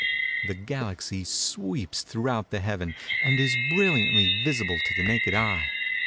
The Galaxy sweeps throughout the Heaven and is brilliantly visible to the naked eye.